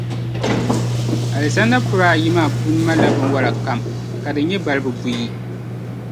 Alizanda puri ayi maa puuni malila binwalli kam, ka di nyɛ balibu buyi.